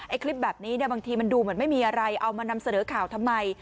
คลิปแบบนี้เนี่ยบางทีมันดูเหมือนไม่มีอะไรเอามานำเสนอข่าวทำไม